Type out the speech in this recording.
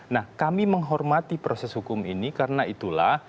nah kami menghormati proses hukum ini karena itulah